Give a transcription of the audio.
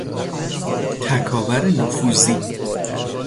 تکاور نفوذی